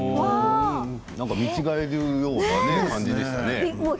見違えるような感じでしたね。